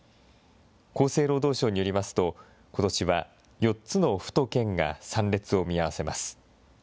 厚生労働省によりますと、ことしは４つの府と県が参列を見合わせます。